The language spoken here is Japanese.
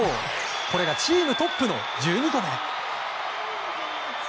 これがチームトップの１２個目。